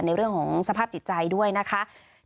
ในเรื่องของสภาพจิตใจด้วยนะคะ